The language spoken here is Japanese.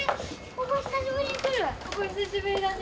ここ久しぶりだね。